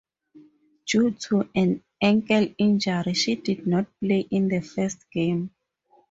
Due to an ankle injury, she did not play in the first game.